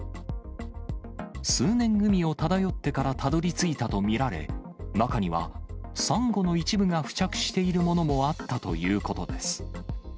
数年海を漂ってからたどりついたと見られ、中には、さんごの一部が付着しているものもあったということです。